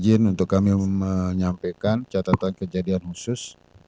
izin untuk kami menyampaikan catatan kejadian khusus